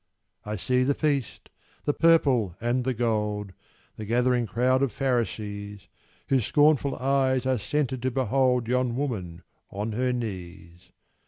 I see the feast the purple and the gold The gathering crowd of Pharisees, Whose scornful eyes are centred to behold Yon woman on her knees.